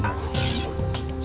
sampai ke ujung tim